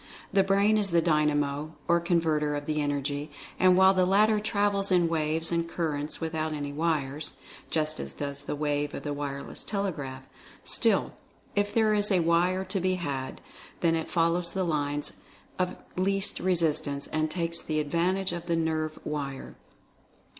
The Brain is the Dynamo, or Con verter of the Energy, and while the latter travels in waves and currents without any wires (just as does the wave of the wireless telegraph) still if there is a wire to be had, then it follows the lines of least re sistance and takes advantage of the nerve wire.